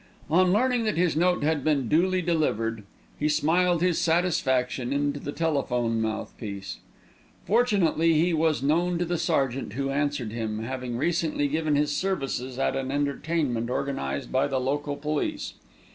On learning that his note had been duly delivered, he smiled his satisfaction into the telephone mouthpiece. Fortunately he was known to the sergeant who answered him, having recently given his services at an entertainment organised by the local police.